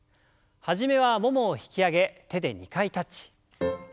初めはももを引き上げ手で２回タッチ。